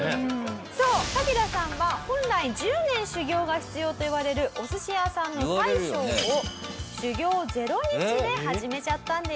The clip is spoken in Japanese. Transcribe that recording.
「そうカキダさんは本来１０年修業が必要といわれるお寿司屋さんの大将を修業０日で始めちゃったんです」